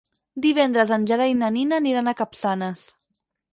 Divendres en Gerai i na Nina aniran a Capçanes.